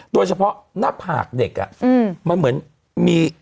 โดยเฉพาะหน้าผากเด็กมันเหมือนมี